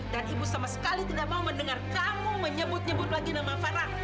dan ibu sama sekali tidak mau mendengar kamu menyebut nyebut lagi nama farah